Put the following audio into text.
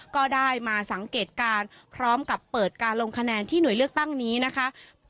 ก็ได้มาสังเกตการณ์พร้อมกับเปิดการลงคะแนนที่หน่วยเลือกตั้งนี้นะคะ